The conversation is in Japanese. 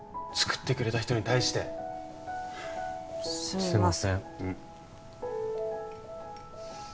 作ってくれた人に対してすみません